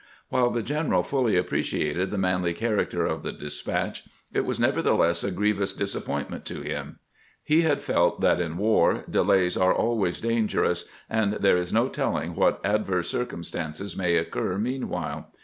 While the general fully appreciated the manly character of the de spatch, it was nevertheless a grievous disappointment to him. He had felt that in war delays are always danger ous, and there is no telling what adverse circumstances may occur meanwhile.